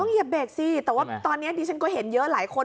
เหยียบเบรกสิแต่ว่าตอนนี้ดิฉันก็เห็นเยอะหลายคน